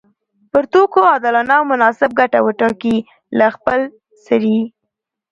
پر توکو عادلانه او مناسب ګټه وټاکي له خپلسري